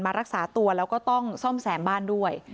รักษาตัวแล้วก็ต้องซ่อมแซมบ้านด้วย